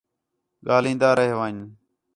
ڳاہلین٘دا رَیہ ون٘ڄ